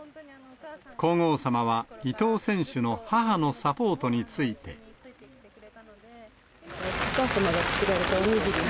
皇后さまは、伊藤選手の母のサポートについて。お母様が作られたお握りを？